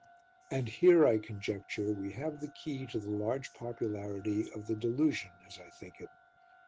And here, I conjecture, we have the key to the large popularity of the delusion as I think it.